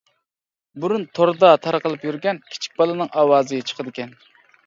بۇرۇن توردا تارقىلىپ يۈرگەن كىچىك بالىنىڭ ئاۋازى چىقىدىكەن.